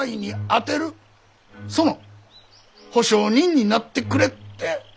その保証人になってくれって？